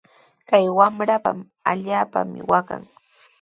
Kay wamraqa allaapami waqan.